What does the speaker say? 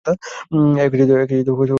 এ কিছুতেই হতে দিতে পারব না!